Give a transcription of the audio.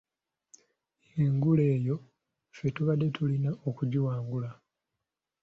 Engule eyo ffe tubadde tulina okugiwangula.